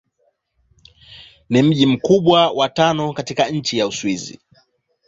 Ni mji mkubwa wa tano katika nchi wa Uswidi.